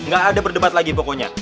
gak ada berdebat lagi pokoknya